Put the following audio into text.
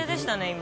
今。